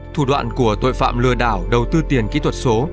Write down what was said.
thủ đoạn của tội phạm lừa đảo đầu tư tiền kỹ thuật số